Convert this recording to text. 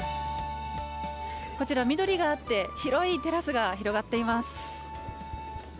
こちら緑があって広いテラスが広がっています。